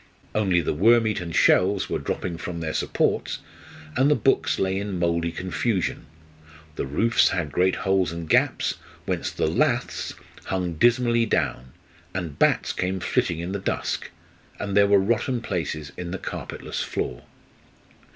Only the worm eaten shelves were dropping from their supports, and the books lay in mouldy confusion; the roofs had great holes and gaps, whence the laths hung dismally down, and bats came flitting in the dusk; and there were rotten places in the carpetless floor.